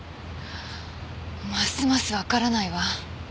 ますますわからないわ。